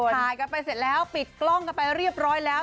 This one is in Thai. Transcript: ถ่ายกันไปเสร็จแล้วปิดกล้องกันไปเรียบร้อยแล้ว